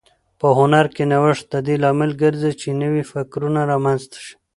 په هنر کې نوښت د دې لامل ګرځي چې نوي فکرونه رامنځته شي.